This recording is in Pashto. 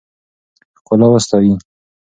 ښکلا وستایئ.